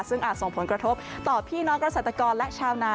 ซึ่งอาจส่งผลกระทบต่อพี่น้องเกษตรกรและชาวนา